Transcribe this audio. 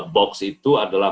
box itu adalah